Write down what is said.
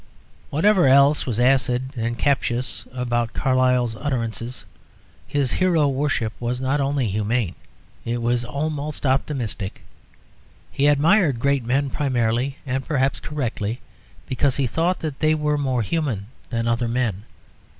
Whatever else was acid and captious about Carlyle's utterances, his hero worship was not only humane, it was almost optimistic. He admired great men primarily, and perhaps correctly, because he thought that they were more human than other men.